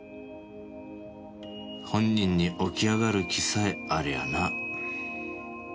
本人に起き上がる気さえありゃな。